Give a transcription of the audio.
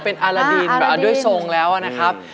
เป็นอลลาดินด้วยทรงแล้วนะครับ